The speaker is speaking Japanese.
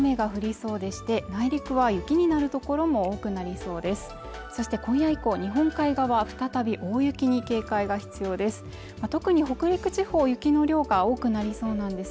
そして今夜以降日本海側は再び大雪に警戒が必要です